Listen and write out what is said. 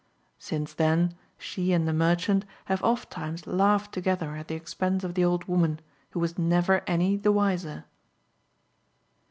Since then she and the merchant have ofttimes laughed together at the expense of the old woman, who was never any the wiser.